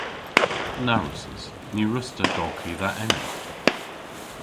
Na wrussys. Ny wruss'ta golghi dha enep.